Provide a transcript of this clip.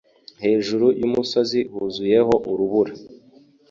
Hejuru yumusozi huzuyeho urubura.